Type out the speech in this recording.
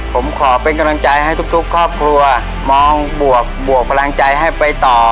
ผมขอเป็นกำลังใจให้ทุกครอบครัวมองบวกพลังใจให้ไปต่อ